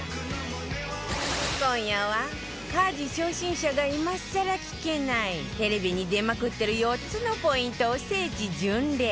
今夜は家事初心者が今更聞けないテレビに出まくってる４つのポイントを聖地巡礼